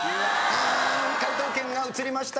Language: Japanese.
解答権が移りました。